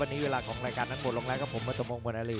วันนี้เวลาของรายการทั้งหมดลงแล้วครับผมมาตรมงค์เบอร์นาลี